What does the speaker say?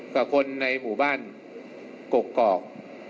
กับคนในหมู่บ้านกกอก